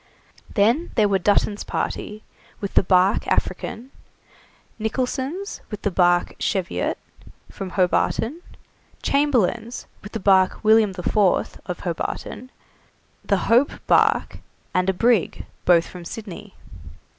Then there were Dutton's party, with the barque 'African'; Nicholson's, with the barque 'Cheviot', from Hobarton; Chamberlain's, with the barque 'William the Fourth', of Hobarton; the 'Hope' barque, and a brig, both from Sydney.